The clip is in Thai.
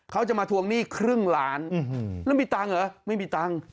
เขาจะมาทวงหนี้ครึ่งล้านแล้วมีตังค์เหรอไม่มีตังค์